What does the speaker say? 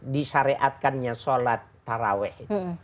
disyariatkannya sholat taraweh